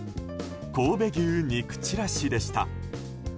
神戸牛肉ちらしでした。